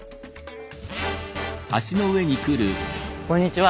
こんにちは。